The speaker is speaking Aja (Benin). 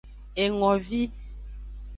Engovi.